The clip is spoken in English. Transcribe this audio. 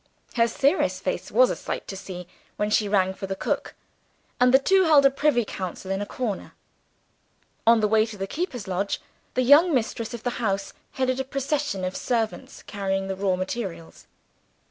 Her serious face was a sight to see, when she rang for the cook, and the two held a privy council in a corner. On the way to the keeper's lodge, the young mistress of the house headed a procession of servants carrying the raw materials.